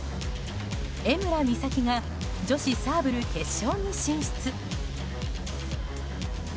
江村美咲が女子サーブル決勝に進出。